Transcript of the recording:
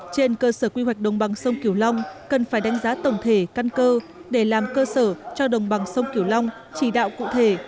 trên cơ sở quy hoạch đồng bằng sông kiều long cần phải đánh giá tổng thể căn cơ để làm cơ sở cho đồng bằng sông kiểu long chỉ đạo cụ thể